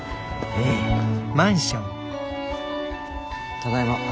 ただいま。